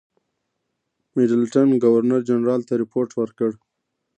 میډلټن ګورنرجنرال ته رپوټ ورکړ.